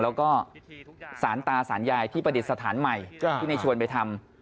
แล้วก็ศาลตาศาลยายที่ประเด็นสถานใหม่ที่ได้ชวนไปทำ